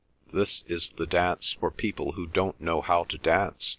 "This is the dance for people who don't know how to dance!"